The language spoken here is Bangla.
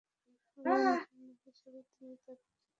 আল্লাহর মেহমান হিসেবে তিনি তাতে থাকবেন।